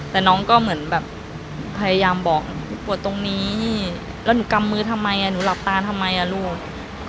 แต่น้องก็เหมือนแบบพยายามบอกหนูปวดตรงนี้แล้วหนูกำมือทำไมหนูหลับตาทำไมอ่ะลูก